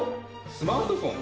スマートフォン？